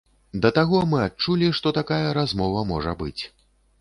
Да таго, мы адчулі, што такая размова можа быць.